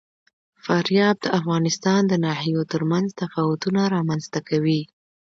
فاریاب د افغانستان د ناحیو ترمنځ تفاوتونه رامنځ ته کوي.